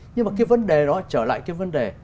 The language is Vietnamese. nhưng mà cái vấn đề đó trở lại cái vấn đề